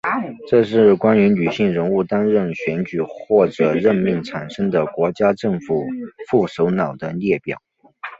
这是关于女性人物担任选举或者任命产生的国家政府副首脑的列表。